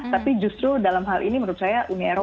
tapi justru dalam hal ini menurut saya uni eropa